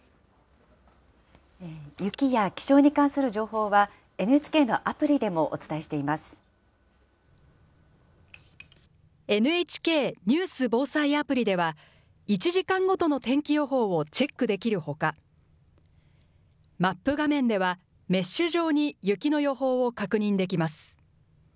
雪や気象に関する情報は、ＮＨＫのアプリでもお伝えしていまＮＨＫニュース・防災アプリでは、１時間ごとの天気予報をチェックできるほか、マップ画面では、メッシュ状に雪の予報を確認できます。